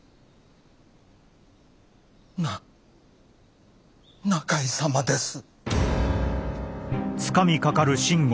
な仲井様です。